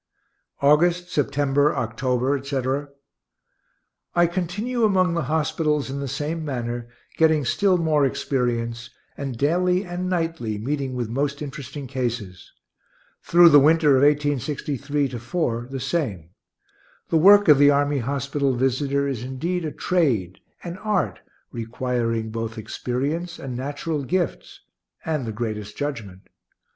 August, September, October, etc. I continue among the hospitals in the same manner, getting still more experience, and daily and nightly meeting with most interesting cases. Through the winter of 1863 4, the same. The work of the army hospital visitor is indeed a trade, an art, requiring both experience and natural gifts, and the greatest judgment.